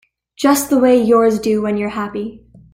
Just the way yours do when you're happy.